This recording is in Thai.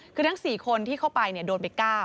คือทั้ง๔คนที่เข้าไปโดนไป๙